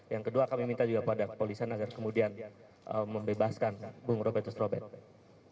yang kedua kami minta juga pada kepolisian agar kemudian membebaskan bung robertus robert